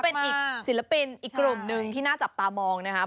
เป็นอีกศิลปินอีกกลุ่มหนึ่งที่น่าจับตามองนะครับ